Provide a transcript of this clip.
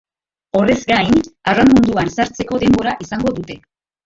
Horrez gain, arraun munduan sartzeko denbora izango dute.